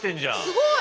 すごい！